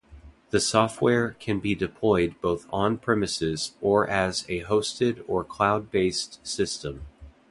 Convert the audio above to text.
The software can be deployed both on-premises or as a hosted or cloud-based system.